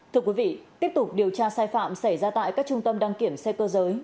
thưa quý vị tiếp tục điều tra sai phạm xảy ra tại các trung tâm đăng kiểm xe cơ giới